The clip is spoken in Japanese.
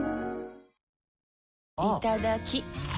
いただきっ！